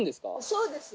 そうです。